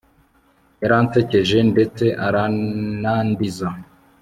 yaransekeje, ndetse aranandiza